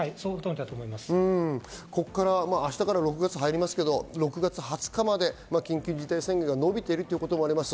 明日から６月に入りますけど、６月２０日まで緊急事態宣言が延びているということもあります。